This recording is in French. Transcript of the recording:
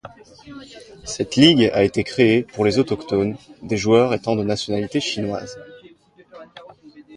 Cette ligue a été créée pour les autochtones, des joueurs étant de nationalité chinoise.